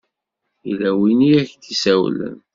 Yella win i ak-d-isawlen?